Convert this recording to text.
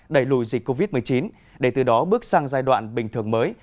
đẩy lùi dịch covid một mươi chín để từ đó bước sang giai đoạn bình thường mới